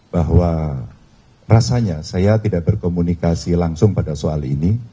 bahwa rasanya saya tidak berkomunikasi langsung pada soal ini